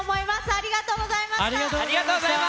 ありがとうございます。